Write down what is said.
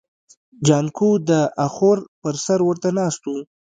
جانکو د اخور پر سر ورته ناست و.